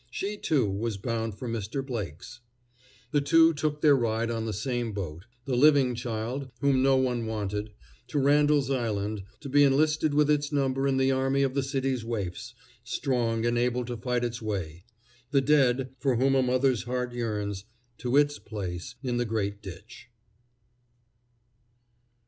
She, too, was bound for Mr. Blake's. The two took their ride on the same boat the living child, whom no one wanted, to Randall's Island, to be enlisted with its number in the army of the city's waifs, strong and able to fight its way; the dead, for whom a mother's heart yearns, to its place in the great ditch.